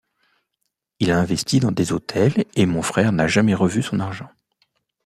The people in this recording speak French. Il a investi dans des hôtels et mon frère n'a jamais revu son argent.